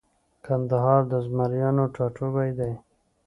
کندهار د زمریانو ټاټوبۍ دی